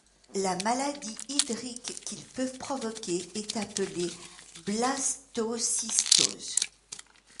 La maladie hydrique qu'ils peuvent provoquer est appelée blastocystose.